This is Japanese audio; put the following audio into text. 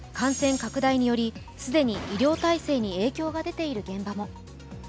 感染拡大により既に医療体制に影響が出ている現場も。